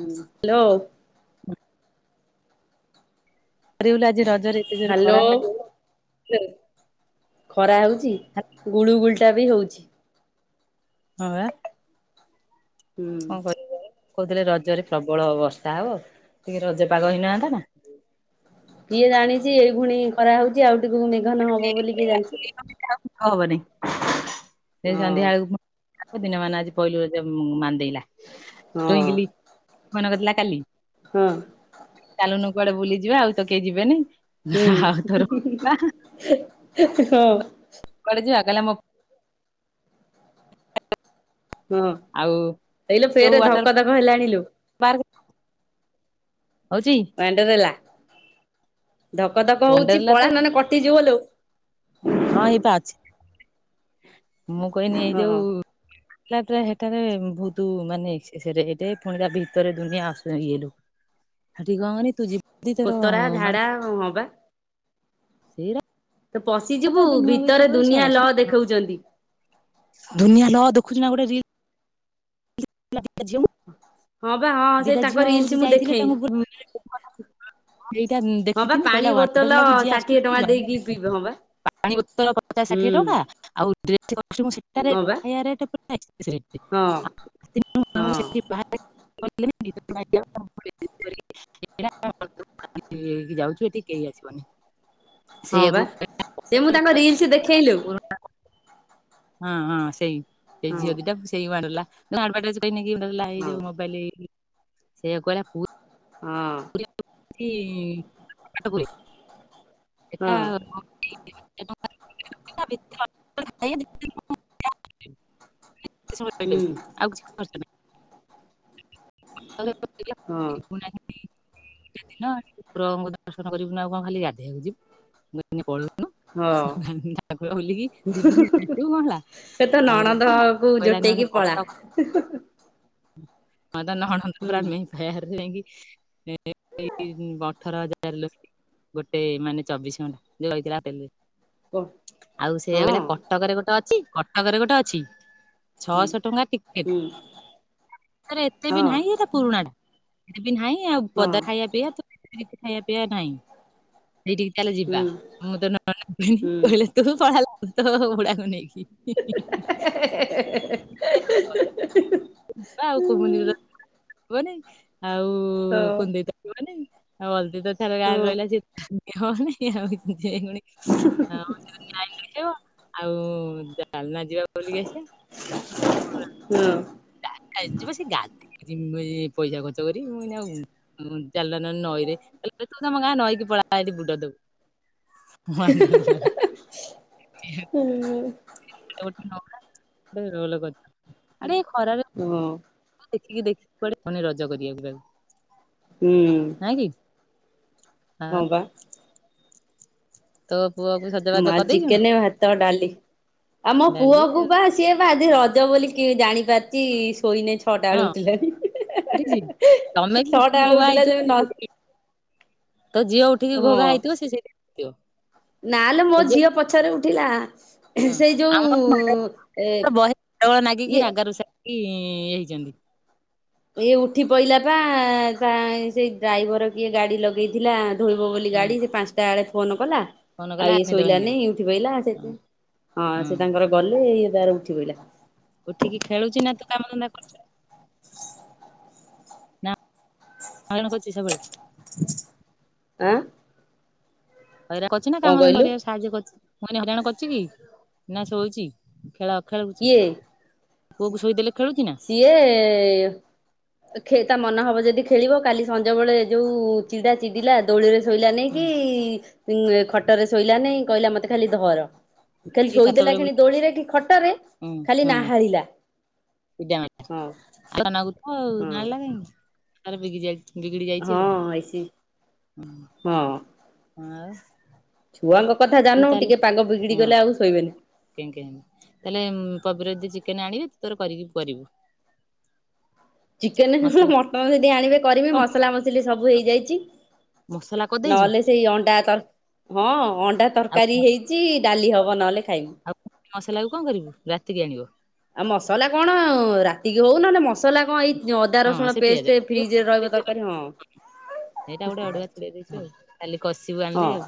ହୁଁ, ହାଲୋ। କରିବୁ ଲୋ ଆଜି ରଜ ଜରେ ଏତେ ଜୋର ହ୍ୟାଲୋ ଖରା କାଟିବ। ହାଲୋ। ଖରା ହଉଛି ଗୁଳୁ ଗୁଳିଟା ବି ହଉଛି। ହଁ ବା। ହୁଁ। କଣ କରିବୁ କହୁଥିଲେ ରଜରେ ପ୍ରବଳ ବର୍ଷା ହବ ଟିକେ ରଜ ପାଗ ହେଇନାହାନ୍ତା ନା। କିଏ ଜାଣିଚି ଏଇ ଖୁଣି ଖରାହଉଚି ଆଉ ଟିକ ଗୁକୁ ମେଘ ନହବ ବୋଲି କିଏ ଜାଣିଚି। ଆଉ ହବନି ସେଇ ସନ୍ଧ୍ୟା ବେଳକୁ ପୁଣି [unintelligible] ଦିନ ମାନ ଆଜି ପହିଲୁ ରଜ। ସେ ମ୍ ମାନ୍ଦେଇଲା ଟୁଇଙ୍କିଲ୍ ହଁ ମନ କରିଥିଲା କାଲି ହଁ। ଚାଲୁନୁ କୁଆଡେ ବୁଲିଯିବା ଆଉ ତ କେହି ଯିବେନି। ହୁଁ ହା ଆଉ ତୋର [unintelligible] ହଁ। [unintelligible] ହଁ ଆଉ ହେଇଲୋ ଯୋଉ ଫେର ୱାଟର ଧକ ଧକ ହେଲାଣି ଲୋ। ପାର୍କ ହଉଛି [unintelligible] ଦେଲା ଧକ ଧକ ହଉଚି ୱାଣ୍ଡରେଲା ତ ପଳା ନହଲେ କଟି ଜିବଲୋ। ହଁ ଏଇ ପା ଅଛି। ମୁଁ କହିନି ଏଇ ହଁ। ଯୋଉ ତାପରେ ହେଠାରେ ବହୁତ ମାନେ [unintelligible] ପୁଣି ତା ଭିତରେ ଦୁନିଆ ଆସ ଇଏ ଲୋ ହେଟି କଣ କହନି ତୁ ଯିବ କୋତରା ଝାଡା ହଁ ବା। ତ ସେଇରା ପଶିଯିବୁ ତ ଏବେ ନୂଆ ହେଇଚି ଭିତରେ ପୁଣି ଦୁନିଆ ଛାଡ଼ ଲ ସେ ଦେଖଉଛନ୍ତି। ହଁ ଦୁନିଆ ଲୋ ଦେଖୁଚୁ ନା ଗୋଟେ [unintelligible] [unintelligible] ଦିଟା ଝିଅଙ୍କୁ ହଁ ବା ହଁ ସେ ଦିଟା ତାଙ୍କ ଝିଅ ରିଲସ ହଉଚି ମୁଁ ଯାଇଥିଲେ ଦେଖେଇ ତାଙ୍କୁ [unintelligible] ଏଇଟା ଇଁ ହଁ ବା ଦେଖିଥିନି ପାଣି କହିଲା ବୋତଲ ୱାଣ୍ଡରଲା କୁ ଯିଏ ଷାଠିଏ ଆସୁଚି ଟଙ୍କା ଦେଇକି ପିଇବ [unintelligible] ହଁ ବା ପାଣି ବୋତଲ ପଚାଶ ଷାଠିଏ ହୁଁ। ଟଙ୍କା ଆଉ [unintelligible] [unintelligible] [unintelligible] ହଁ ବା ହଁ ଆମକୁ ହଁ ସେଠି ବାହାରେ [unintelligible] [unintelligible] ଯାଉଚୁ ଏଠିକି କେହି ଆସିବନି। ହଁ ବା, ସିଏ ମୁଁ ତାଙ୍କ ସେଇଆକୁ ରିଲ୍ସ ଦେଖେଇ ଲୋ। ହଁ ହଁ, ସେଇ। ସେଇ ହଁ ଝିଅ ଦିଟାକୁ ସେଇ ମାଡଲା। ନା ଆଡଭାର୍ଟାଇିଜ୍ ପାଇଁ ନେଇ କିଏ ଭାବିଲା ଏଇ ହଁ ଯୋଉ ମୋବାଇଲି ସେୟାକୁ କହିଲା ପୁର୍ ହଁ ପୁରୀ ହଉଚି [unintelligible] ହଁ ଏଟା [unintelligible] [unintelligible] କେତେ ସମୟ ରହିପାରିବୁ? ଆଉ କିଛି ହୁଁ କରି [unintelligible] [unintelligible] ଗୋଟିଏ ହଁ ଦିନ, ଠାକୁରଙ୍କ ଦର୍ଶନ କରିବୁନୁ ଆଉ କଣ ଖାଲି ଗାଧେଇବାକୁ ଯିବୁ? [unintelligible] ହଁ, ଠାକୁର ବୁଲିକି ଦି ଦିନ ହୁଁ-ହୁଁ-ହୁଁ-ହୁଁ-ହୁଁ, ରହିବୁ କଣ ହେଲା ଏ ତୋ ଆଉ ନଣନ୍ଦକୁ କହିଲା ନହେଲେ ଜୁଟେଇକି କଟକ ପଳା। ହଁ ତା ନଣନ୍ଦ ହୁଁ ପୁରା ମେଁ ଫେୟାର ଯାଇ ନେଇକି, ଏଇ ଅଠର ହଜାର ଲୋକ ଗୋଟେ ମାନେ ଚବିଶ ଘଣ୍ଟା ହଁ [unintelligible] ଆଉ ସେ ବା କହିଲା କଟକରରେ ଗୋଟେ ଅ ଚି, କଟକରେ ଗୋଟେ ଅଛି ହୁଁ ଛଅଶ ଟଙ୍କା ଟିକେଟ୍। ହୁଁ ସେଥିରେ ଏତେ ହଁ ବି ନାହିଁ ସେଇଟା ପୁରୁଣାଟା। ନାଇଁ ଆଉ ହଁ ବଦା ଖାଇବା ପିଇଆ ତୁ ସେଠି ଖାଇଆ ପିଇଆ ନାହିଁ? ସେଇଠିକି ଚାଲ ହୁଁ ଯିବା। ମୁଁ ତ ହୁଁ [unintelligible] କହିଲେ ତୁ ପଳାଲା। ତୋ ବୁଢାକୁ ନେଇକି ଯିବା ଆଉ କୋଉ ମନ୍ଦିରରେ ହବନେଇ? ଆଉ ହଁ ହଁ କୁନଦେଇ ତ ଯିବନେଇ ଆଉ ଅଲ୍ ସିଏ ତ ଛାର ହଁ ଗାଁରେ ରହିଲା ସିଏ ଇଏ ହଉନି, ସିଏ ହଉନି [unintelligible] ଆଉ ଜାଲ ନା କି ଯିବା ବୁଲି କି ଆସିବା ହଁ ହଁ [unintelligible] ମୁଇ ପଇସା ଖର୍ଚ୍ଚ କରି ମୁଇଉ ଚାଲିଲା ନଈରେ ତମ ଗାଁ ନଈକି ପଳା ସେଇଠି ବୁଡ ଦବୁ ହିଁ ମାଡ ହେଲା ହିଁ ହିଁ [unintelligible] ଏ ଖରାରେ ହୁଁ ଦେଖିକି ଦେଖିକି ରଜ କରିବାକୁ ନାଇଁ କି? ହୁଁ। ହଁ ବା ତ ମା ଚିକେନ ଭା ତ ଡାଲି ଆମ ଡାଲି ପୁଅ କୁ ଆଉ ବା ସିଏ ବା ଆଜି ରଜ ବୋଲି ଜାଣିପାରୁଚି ଶୋଇନେ ଛଅଟା ହଁ ବେଳୁ ଉଠିଲେଣି ହେ ହେ ଉଠିଛି? ହେ ତମେ ଛଅଟା ବେଳୁ ଉଠିଲା ଯେବେ ନ ତ ଝିଅ ଉଠିକି ଘୋ ଘା ହେଇଥିବ ସେ ସେଇଠି କ ନା ଲୋ ମୋ ଝିଅ ପଛରେ ଉଠିଲା ହଁ ସେଇ ଆମର ମାଡ଼ ଯୋଉ ଏ ଇଏ କି ହେଇଛନ୍ତି। ଏ ଉଠି ପଇଲା ପା ସେଇ ଡ୍ରାଇଭର କିଏ ଗାଡି ଲଗେଇଥିଲା ଧୋଇବ ବୋଲି ହଁ ଗାଡି ସେ ପାଞ୍ଚଟା ଏଳେ ଫୋନ୍ କଲା ଫୋନ କଲା ଆଉ ଇଏ ନିଦ ଭାଙ୍ଗିଗଲା। ଶୋଇଲାନି ଉଠି ପହଲା ସେ ହଁ ହଁ ହଁ। ସେ ତାଙ୍କର ଗଲେ- ରେ ଉଠି ପଇଲା ଉଠିକି ଖେଳୁଚି ନା ତୁ କାମ ଧନ୍ଦା କରୁଛୁ। ନା ହଇରାଣ କରୁଛି ସବୁବେଳେ ଆଁ ହଇରାଣ କରୁଛି ନା କଣ କାମ ଧନ୍ଦା କହିଲୁ କରିବାକୁ ସାହାଯ୍ୟ କରୁଛି। ମୁ କହିନି ହଇରାଣ କରିଛି କି ନା ଶୋଇଛି ଖେଳ କିଏ? ପୁଅ କୁ ଶୋଇ ଦେଲି ସିଏ କ୍ଷ ତା ମନ ହବ ଦବ ଯଦି ଖେଳିବ କାଲି ସଞ୍ଜ ବେଳେ ଯୋଉ ଚିଡା ଚିଡିଲା ଦୋଳିରେ ହୁଁ ଶୋଇଲାନେଇକି ଙ୍ଗ ଖଟ ରେ ଶୋଇଲା ନେଇ କହିଲା ମତେ ଖାଲି ଧର। ଖାଲି ଧରିକି ଛାତ ଶୋଇଦେଲା ଉପରେ ଖେଣି ବୁଲେଇଦେଲା ଦୋଳିରେ କି ଖଟରେ ଖାଲି ନାହାଳିଲା। [unintelligible] ହଁ ନାହାଳିଲା ହଁ। କାହିଁକି? ତାର ବିଗିଯାଇଚି। ବିଗିଡ଼ି ଯାଇଚି ଆଉ ହଁ ଏସି ହୁଁ ହଁ ଆଉ। ଛୁଆଙ୍କ କଥା ତୁ ଜାଣିନୁ ତାହେଲେ ଟିକେ ପାଗ ବିଗିଡି ହଁ ଗଲେ ଆଉ ଶୋଇବେନି। କେଁ କେଁ ହେବେ ତାହେଲେ କବିର ଜେ ଚି କେନେ ଆଣିବେ ତୁ ତୋର କରିକି କରିବୁ। ଚିକେନ ନୁହୁ ମସଲା ମଟନ ଜଦି ଆଣିବେ କରିବି ଓହୋ ମସଲା ମସଲି ସବୁ ହେଇଯାଇଚି ମସଲା କରିଦେଇଛୁ ନହେଲେ ସେଇ ଅଣ୍ଡା ତର ହଁ ଅଣ୍ଡ ଡା ଆଉ ତରକାରୀ ହେଇଚି ଡାଲି ହବ ନହେଲେ ଖାଇବୁ। ଆଉ ମସଲାକୁ କଣ କରିବୁ ରାତିକି ଆଣିବ ଆଉ ମସଲା କଣ ରାତିକି ହଉ ନହେଲେ ମସଲା କଣ ଏଇ ଅଦା ହଁ ରସୁଣ ସେ ପିଆଜ ପେଷ୍ଟ ଫ୍ରିଜରେ ରହିବ ସେଇଟା ତରକାରୀ ହଁ ଗୋଟେ ଅଡୁଆ ଛିଡେଇ ଦେଇଛୁ ଆଉ ଖାଲି କଷିବୁ ହଁ ଆଣିଲେ ଆଉ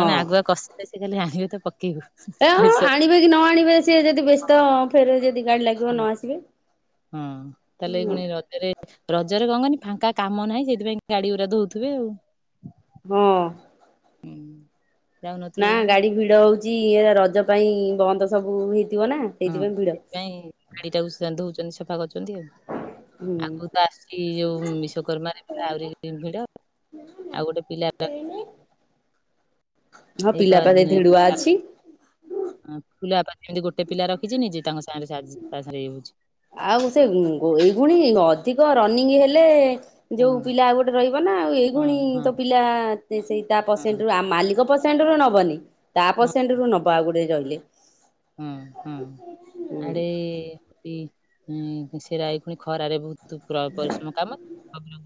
ନନେ ଆଗୁଆ କଷିଲେ ସେ ଖାଲି ଆଣିବେ ତ ପକେଇବୁ ଏ ଅ ପ୍ରେସର ଆଣିବେ କି ନ ଆଣିବେ ସିଏ ଯଦି ବ୍ୟସ୍ତ ଫେର ଜେ ହଁ ହଁ ତାହେଲେ ଏ ହୁଁ ଖୁଣି ରଜରେ ରଜରେ କଣ କନି ଫାଙ୍କା କାମ ନାହିଁ ସେଥିପାଇଁ ଗାଡିଗୁଡା ଧଉଥିବେ ଆଉ। ହଁ ନା ଯାଉନଥିବେ ଗାଡି ଭିଡ ହଉଛି ଚି ଏରା ରଜ ପାଇଁ ବନ୍ଦ ସବୁ - ହଁ ସେଥିପାଇଁ ଗାଡିଟାକୁ ସେଗାକୁ ଧଉଛନ୍ତି ସେ ସପା କରି ଅଛନ୍ତି ଆଉ ହୁଁ ଆଗରୁ ତ ଆସଚି ଯୋଉ ବିଶ୍ଵକର୍ମାରେ ଆହୁରି ଭିଡ ଆଉ ଗୋଟେ ପିଲା ହଁ [unintelligible] ପିଲା ପା ଧେଡୁଆ ଅଛି। ଏମିତି ଗୋଟେ ପିଲା ରଖିଛି ନିଜେ ତାଙ୍କ ସାଙ୍ଗରେ ସା ତା ସାଙ୍ଗରେ ଇଏ ହଉଛି ଆଉ ସେ ଏଇଗୁଣି ଅଧିକ ରନିଂ ହେଲେ ହଁ ଯୋଉ ପିଲା ଆଉ ଗୋଟେ ରହିବ ନା ଆଉ ହଁ ଏଇଭଉଣୀ ହଁ ତ ପିଲା ସେଇ ତା ହଁ ପସେଣ୍ଟ ରୁ ମାଲିକ ପସେ ସେଣ୍ଟରୁ ନବନି ତା ପରସେଣ୍ଟ ରୁ ନବ ଆଗୁଡେ ଯଇ କିଏ? ହୁଁ ହୁଁ ହୁଁ ଆଡେ ହୁଁ ସେରାଏଇ ପୁଣି ଖରାରେ ଭୁତ୍ ତୁ ପୁରା ପରିଶ୍ରମ କାମ ଆପଣ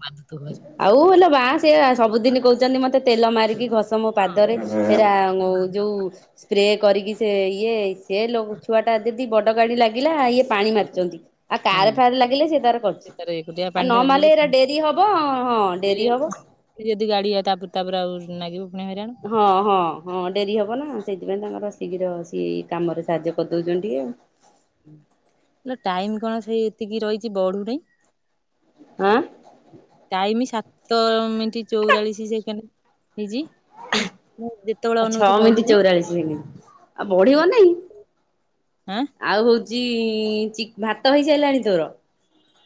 ଆଉ ହେଲ ବା ସେଆ ସବୁଦିନ କହୁଛନ୍ତି ମୋତେ ତେଲ ମାରିକି ଘସ ମୋ ପାଦରେ ସେରା ଯଉ ସ୍ପ୍ରେ କରିକି ସେ ଇଏ ସେ ଲ ଛୁଆ ଟା ଦିଦି ବଡ ଗାଡି ଲାଗିଲା ଇଏ ପାଣି ମାରିଛନ୍ତି ଆଉ କାର ହୁଁ ଫାର ଲାଗିଲେ ସେ ତାର କରିଛି ସେ ତାର ଏକୁଟିଆ ଆଉ ପାଣି ନ ଢାଳି ମାରିଲେ ଏରା ଦେଇକି ଡେରି ହବ ବ ହଁ ଡେରି ହବ। ଦି ଗାଡିଆ ତାପରେ ତାପରେ ଆଉ ନାଗିବ। ପୁଣି ହଇରାଣ ହଁ ହଁ ହଁ ଡେରି ହବ ନା ସେଇଥିପାଇଁ ତାଙ୍କର ଶୀଘ୍ର ସିଏ କାମରେ ସାହାଯ୍ୟ କରିଦୋଉଚନ୍ତି ଟିକେ ଆଉ ଲୋ ଟାଇମ କଣ ସେଇ ଏତିକି ରହିଚି ବଢୁନେଇ ଆଁ। ଟାଇମ ସା ତୋର ଏମିତି ଚଉରାଳିଶ ସେକେଣ୍ଡ ହେଇଚି। ଛଅ ମିନିଟ ଚଉରାଳିଶ ସେକଣ୍ଡ ଆଉ ବଢିବ ସାତ- ନାଇଁ ଆଁ ଆଉ ହୋ ଚି ଚି ଭାତ ହେଇସାରିଲାଣି ତୋର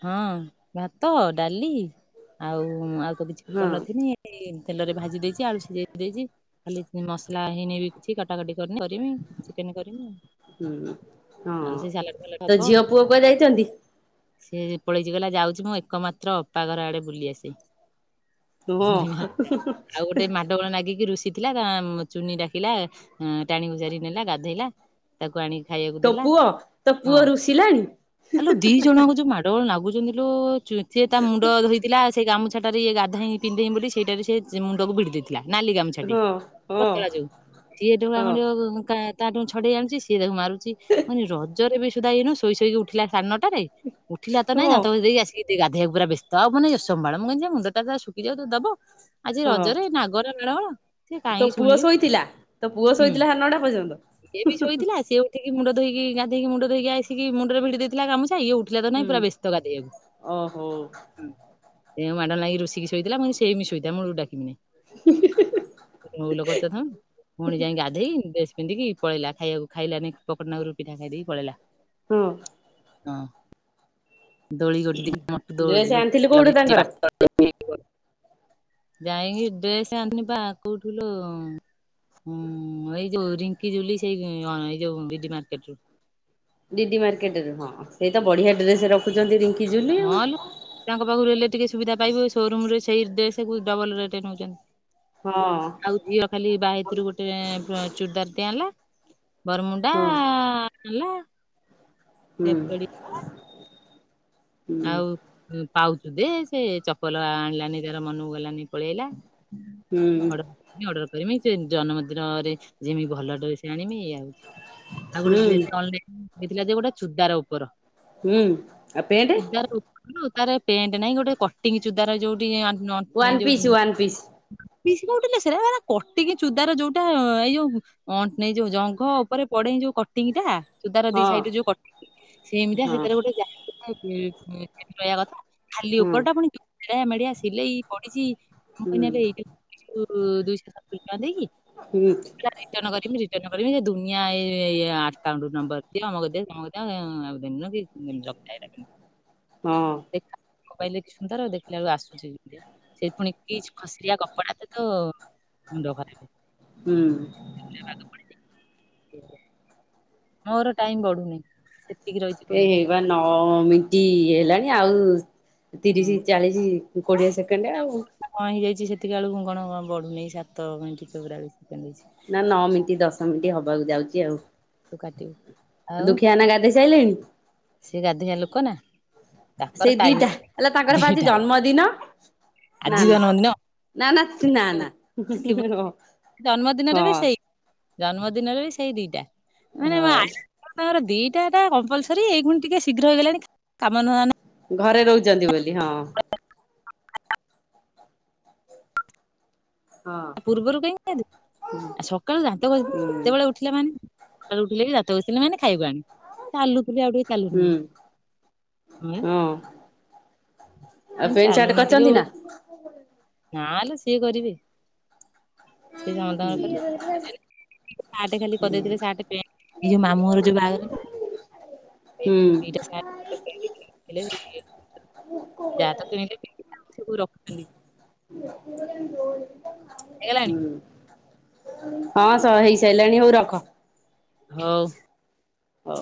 ହଁ ଭାତ ଡାଲି ଆଉ ମା ତ କିଛି ହଁ କରନଥିଲି ତେଲରେ ଭାଜି ଦେଇଛି, ଆଳୁ ସିଝେଇ ଦେଇଛି, ଖାଲି ମସଲା ହେଇନି ବି କିଛି କଟାକଟି କରନି କରିବି, ଚିକେନ କରିବି, ହୁଁ ହଁ। ଆଉ ସେ ସାଲାଟ ଫାଲାଟ ତୋ ହବ। ଝିଅ ପୁଅ କୁଆଡେ ଯାଇଛନ୍ତି? ସେ ଯେ ପଳେଇଚି ଗଲା ଯାଉଛି ମୁଁ ଏକମାତ୍ର ଅପା ଘର ଆଡେ ବୁଲି ଆସେ। ହଁ ଆଉ ଗୋଟେ ମାଡ ଗୋଳ ନାଗିକି ରୁଷି ଥିଲା ଗା ଚୁନି ଡାକିଲା, ଟାଣି ଘୋସାରି ନେଲା ଗାଧେଇଲା ତାକୁ ଆଣି ତୋ ପୁଅ ତୋ ପୁଅ ରୁଷିଲାଣି। ଲୋ ନାଗୁଛନ୍ତିୁ ଲୋ ସେ ତା ମୁଣ୍ଡ ଧୋଇଥିଲା ଆଜ୍ ସେ ଗାମୁଛାଟାରେ ଇଏ ଗାଧାଏନି ତିନଦିନ ବୋଲି ସେଇଟାକୁ ସେ ମୁଣ୍ଡକୁ ଭିଡ଼ି ଦେଇଥିବ ନାଲି ଗାମୁଛା ଟେ ହଁ ହଁ ପତଳା ଯୋଉ ସିଏ ଯଉ ଭଳିଆ ହଁ ଖଣ୍ଡିକ କ କା ତା ଠୁଁ ଛଡେଇ ଆଣୁଚି ସିଏ ତାକୁ ମାରୁୁ ଛି ମାନେ ରଜରେ ବି ସେ ଏଇନୁ ଶୋଇ ଶୋଇ କି ଉଠିଲା ସାଢ଼େ ନଅଟାରେ ଥିଲା ତ ନାଁ ହଁ ଦାନ୍ତ ଘଷି ଦେଇକି ଆସିକି ଟିକେ ଗା ଧେଇଆକୁ ପୁରା ବ୍ୟସ୍ତ ଆଉ ପୁଣି ମାନେ ଅସମ୍ଭାଳ ମୁ କହିି ନି ଯେ ମୁଣ୍ଡା ତାର ସୁଖୀ ଯାଉ ତାର ଦବ ଆଜି ହଁ। ରଜରେ ନାଗର [unintelligible] ତୋ ପୁଅ ଶୋଇଥିଲା ତୋ ପୁଅ ହୁଁ। ଶୋଇଥିଲା ସାଡେ ନଅଟା ସିଏ ବି ପର୍ଯ୍ୟନ୍ତ? ଶୋଇଥିଲା ସିଏ ଉଠିକି ମୁଣ୍ଡ ଧୋଇକି ଗାଧୋଇକି ମୁଣ୍ଡ ଧୋଇକି ଆସିକି ମୁଣ୍ଡରେ ଭିଡ଼ି ଦେଇଥିଲା ଗାମୁଛା ଇଏ ଉ ଠିଲା ତ ନାଇଁ ହୁଁ ପୁରା ବ୍ୟସ୍ତ ଗାଧେଇବାକୁ ଓହୋ ହୁଁ। ସେ ମାଡ଼ବଳ ଲାଗି ରଷିକି ଶୋଇଥିଲା ମୁଁ କହିଲି ସେମତି ଶୋଇଥା ମୂଳରୁ ଡାକିବିନି। ଭଉ ଲୋକଚଥ ପୁଣି ଯାଇ ଗାଧେଇ ଡ୍ରେସ ପିନ୍ଧିକି ପଳେଇଲା ଖାଇବାକୁ ଖାଇଲାନି ବକଟେ ନାକୁରୁ ପିଠା ଖାଇ ଦେଇକି ପଳେଇଲା। ହଁ। ହଁ। ଦୋଳି ଗୋଟେ ଦି ମୋ ଦୋ ଡ୍ରେସ ଆଣିଥିଲୁ କୋଉଠୁ ଲଗେଇ ତାଙ୍କର? [unintelligible] ଯାଇକି ଡ୍ରେସ ଆନିନି ପା କୋଉଠୁ ଲୋ ଉଁ ଉଁ ଏ ଯୋଉ ରିଙ୍କି ଜୁଲି ସେଇ ଡି ଡ଼ି ମାର୍କେଟ ରୁ। ଡିଡି ମାର୍କେଟ୍ ରୁ ହଁ। ସେଇତ ବଢିଆ ଡ୍ରେସ୍ ରଖୁଛନ୍ତି କି? ହଁ ଲୁ ତାଙ୍କ ପାଖରୁ ହେଲେ ଟିକେ ସୁବିଧା ପାଇବ ସୋରୁମ ରେ ସେଇ ଡ୍ରେସ୍ କୁ ଡବଲ ରେଟ ହଁ ନେଉଛନ୍ତି। ଆଉ ଝିଅ ଖାଲି ବାହେତରୁ ଗୋଟେ ଚୁଡ଼ିଦାର ଟେ ଆଣିଲା ବରମୁଣ୍ଡା ହଁ ହେଲା ହୁଁ ହୁଁ। ଆଉ ଉ ପାଉଚୁ ଦେ ସେ ଚପଲ ଆଣିଲାନି ତାର ମନକୁ ଗଲାନି ପଳେଆଇଲା ହୁଁ [unintelligible] କରିମି ସେ ଜନ୍ମଦିନରେ ଯିମି ଭଲ ଡ୍ରେସ ଆଣିମି ଏୟା ଆଉ ଗୋଟେ ହୁଁ ଡ୍ରେସ ଅନଲାଇନ ହେଇଥିଲା ଯେ ଗୁଡା ଛୁତକାର ଉପର ହୁଁ ଆଉ ପେଣ୍ଟ [unintelligible] ତାର ପେଣ୍ଟ ନାଇଁ ଗୋଟେ କଟିଙ୍ଗ ଚୁଡ଼ିଦାର ଯୋଉ design one piece one piece piece ଉଠିଲେ କଟିକି ଜୁତାର ଯୋଉଟା ଏଇ ଯୋଉ ଏଇ ଯୋଉ ଜଙ୍ଘ ଉପରେ ପଡେ ଯୋଉ କଟିଙ୍ଗ ଟା ସୂତାର ଦି ହଁ ସାଇଟରୁ ଯୋଉ କଟିଙ୍ଗ, ସେମତିଆ ହଁ ସେଥିରେ ଗୋଟେ ଜାଲି ଟାଇପ୍ ହୁଁ, ହୁଁ। ସେମତି ରହିବା କଥା ଖାଲି ହଁ ଉପରଟା ପୁଣି ତେଢ଼ିଆ ମେଢ଼ିଆ ସିଲେଇ ପଡିଛି ମୁଁ କହିନି ଆରେ ହୁଁ [unintelligible] ଦୁଇଶହ ସତୁରି ଟଙ୍କା ଦେଇକି, ହୁଁ କହିଲା ରିଟର୍ଣ୍ଣ କରିମି ରିଟର୍ଣ୍ଣ କରିବି କରିବି ଯେ ଦୁନିଆ ଏ ଏଇଆ ଏକାଉଣ୍ଟ୍ ନମ୍ବର ଦିଅ, ଅମକ ଦିଅ ସମକ ଦିଅ, ଆଁ-ଆଁ-ଆଉ ଯଦି [unintelligible] ହୁଁ। ମୋବାଇଲରେ ସୁନ୍ଦର, ଦେଖିଲା ବେଳକୁ ଆସୁଛି ଏମତିଆ। ସେ ଫୁଣି ପିଚ୍ ଖସିଯିବା କପଡା କିନ୍ତୁ ହୁଁ। [unintelligible] ମୋର ଟାଇମ୍ ବଢୁନି। ସେତିକି ରହିଛି କଣ ଏଇବା ନଅ-ଅ-ଅ ମିିଣ୍ଟି ହେଲାଣି ଏ ଆଉ ପାଇଁ ତିରିଶି ଚାଳିଶି କୋଡିଏ ସେକେଣ୍ଡ ଆଉ ଯିଏ ସେତିକି ଆଳୁକୁ କଣ ବଢ଼ୁନେଇ ସାତ ମିଣ୍ଟି ଚଉରାଳିଶ ସେକେଣ୍ଡ ହେଇଛି ନା ନା ଆଉ ମିନିଟେ ଦଶ ମିନିଟ ହବ ହେବାକୁ ଯାଉଛି ତୁ କାଟିବୁ ଆଉ ଦୁଃଖିଆ ନନା ଗାଧେଇ ସାରିଲେଣି ହଁ ସିଏ ଗାଧେଇବା ଲୋକ ନା ସେ ତାଙ୍କର ଟାଇମ ଦିଟା ହେଲା ତାଙ୍କର ଆଜି ବା ଦିଟା ଜନ୍ମଦିନ ନା ଆଜି ନା ଜନ୍ମଦିନ ନା ନା ନା ନା ହଁ ଜନ୍ମଦିନରେ ବି ହଁ ସେଇ ଜନ୍ମଦିନରେ ବି ସେଇ ଦିଟା ହାସ୍ ଦିଇଟାରେ [unintelligible] ସରି ଏଇ ଫୁଣି ଟିକେ ଶୀଘ୍ରହେଇଗଲାଣି କାମ ନୁହଁ ନା ଘରେ ରହୁଛନ୍ତି ବୋଲି ହଁ ହଁ ପୂର୍ବରୁ କାହିଁ କାଢିବୁ ଆ ସକାଳୁ ଦାନ୍ତ ଘସି ହୁଁ କେତେବେଳେ ଉଠିଲା ମାନେ ସକାଳୁ ଉଠିଲେ ବି ଦାନ୍ତ ଘସିଲେ ମାନେ ଖାଇବା ଆଣିବୁ ଚାଲୁ ତୁ ଟିକେ ଆଉ ଚାଲୁନା ହୁଁ ଆ ହଁ ଆଉ ମାନେ ପେଣ୍ଟ ସାର୍ଟ କରିଛନ୍ତି ନା ନାଲୋ ସିଏ କରିବେ ନି ସେ ସମସ୍ତଙ୍କର କରିବେ ତାଙ୍କର କରିବେନି ସାର୍ଟ ଖାଲି ହୁଁ କରିଦେଇଥିଲେ ସାର୍ଟ ପେଣ୍ଟ୍ ଏ ଯୋଉ ମାମୁଁ ଘର ଯୋଉ ବାହାଘର ହେଇ ହୁଁ ନଥିଲା ସେଇ ଥିରେ ଦିଟା ସାର୍ଟ ପେଣ୍ଟ୍ କରିଥିଲେ ଯେ [unintelligible] ଯାହା ତ କିଣିଲି ପିନ୍ଧିଲି ମୁଁ ରଖୁନି ହୁଁ ହେଇଗଲାଣି ହଁ ସବୁ ହେଇସାରିଲାଣି ହଉ ରଖ ହଉ ହଁ